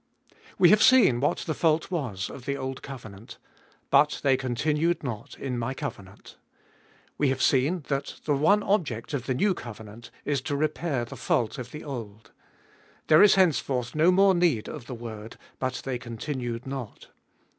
WE have seen what the fault was of the old covenant, But they continued not in My covenant. We have seen that the one object of the new covenant is to repair the fault of the old. There is henceforth no more need of the word, But they con tinued not.